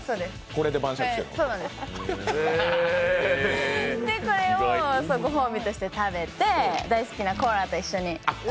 これをご褒美として食べて大好きなコーラと一緒に。